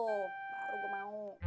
baru gua mau